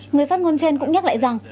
người phát ngôn trên cũng nhắc lại rằng